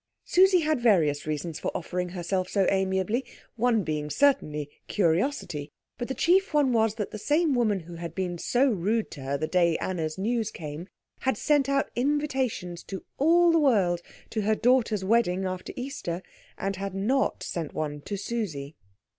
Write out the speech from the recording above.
Susie had various reasons for offering herself so amiably, one being certainly curiosity. But the chief one was that the same woman who had been so rude to her the day Anna's news came, had sent out invitations to all the world to her daughter's wedding after Easter, and had not sent one to Susie.